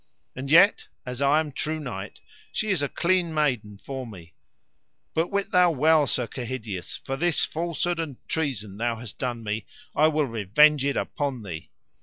And yet, as I am true knight, she is a clean maiden for me; but wit thou well, Sir Kehydius, for this falsehood and treason thou hast done me, I will revenge it upon thee.